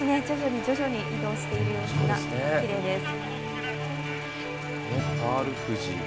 徐々に徐々に移動している様子がきれいです。